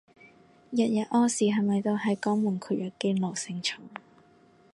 日日屙屎係咪都係肛門括約肌奴性重